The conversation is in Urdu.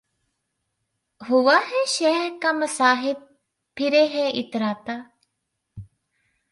ہوا ہے شہہ کا مصاحب پھرے ہے اتراتا